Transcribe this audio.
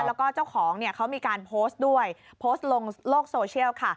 แล้วก็เจ้าของเนี่ยเขามีการโพสต์ด้วยโพสต์ลงโลกโซเชียลค่ะ